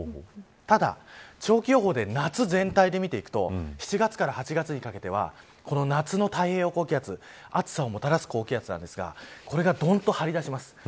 ただ、長期予報で夏全体で見ていくと７月から８月にかけては夏の太平洋高気圧暑さをもたらす高気圧ですがこれが、どんと張り出します。